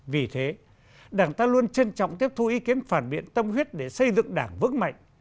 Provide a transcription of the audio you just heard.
vì thế đảng ta luôn trân trọng tiếp thu ý kiến phản biện tâm huyết để xây dựng đảng vững mạnh